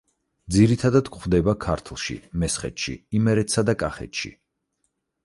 ძირითადად გვხვდება ქართლში, მესხეთში, იმერეთსა და კახეთში.